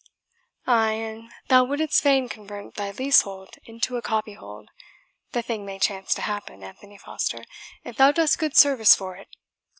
"Ay, and thou wouldst fain convert thy leasehold into a copyhold the thing may chance to happen, Anthony Foster, if thou dost good service for it.